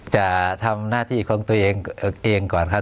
จะทำหน้าที่ของตัวเองเองก่อนครับ